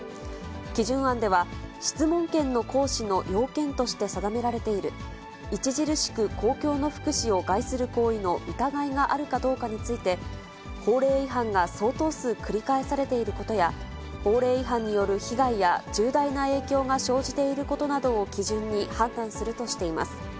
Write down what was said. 基準案では、質問権の行使の要件として定められている、著しく公共の福祉を害する行為の疑いがあるかどうかについて、法令違反が相当する繰り返されていることや、法令違反による被害や、重大な影響が生じていることなどを基準に判断するとしています。